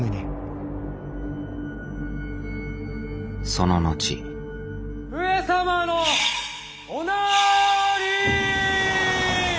その後・上様のおなーりー。